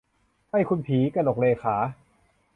ไอ้คุณผี - กนกเรขา